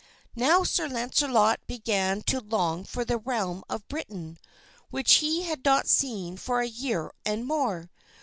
Now Sir Launcelot began to long for the realm of Britain which he had not seen for a year and more.